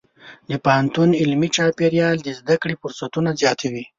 د پوهنتون علمي چاپېریال د زده کړې فرصتونه زیاتوي.